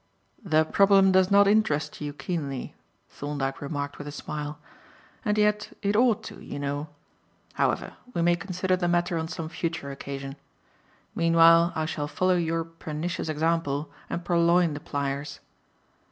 "The problem does not interest you keenly," Thorndyke remarked with a smile; "and yet it ought to, you know. However, we may consider the matter on some future occasion. Meanwhile, I shall follow your pernicious example and purloin the pliers."